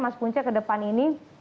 mas punca ke depan ini